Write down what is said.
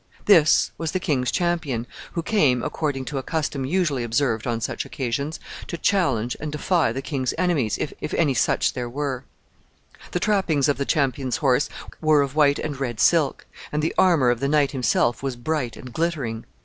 This was the king's champion, who came, according to a custom usually observed on such occasions, to challenge and defy the king's enemies, if any such there were.[P] [Footnote P: See Frontispiece.] The trappings of the champion's horse were of white and red silk, and the armor of the knight himself was bright and glittering.